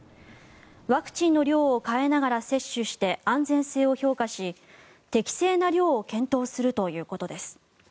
ワクチンの量を変えながら接種して、安全性を評価し適正な量を検討するということです。